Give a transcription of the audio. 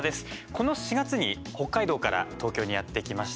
この４月に北海道から東京にやって来ました。